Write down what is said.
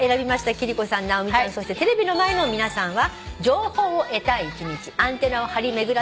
貴理子さん直美ちゃんそしてテレビの前の皆さんは。